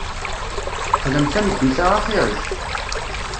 Xdem tameddit-a axir-ik.